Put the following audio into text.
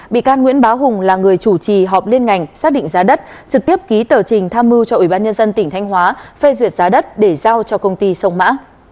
bị can nguyễn bá hùng là người chủ trì họp liên ngành xác định giá đất trực tiếp ký tờ trình tham mưu cho ủy ban nhân dân tỉnh thanh hóa phê duyệt giá đất để giao cho công ty sông mã